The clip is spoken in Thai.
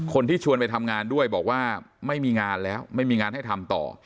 คนที่ชวนไปทำงานด้วยบอกว่าไม่มีงานแล้วไม่มีงานให้ทำต่อ